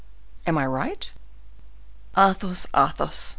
Am I right?" "Athos! Athos!"